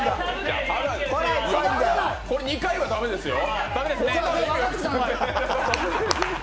２回は駄目ですよ。